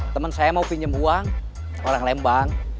temen saya mau pinjam uang orang lembang